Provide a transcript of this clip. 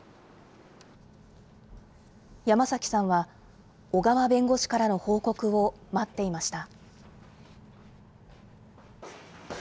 山崎さんは、小川弁護士からの報告を待っていました。